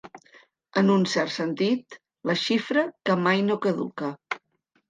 En un cert sentit, la xifra que mai no caduca.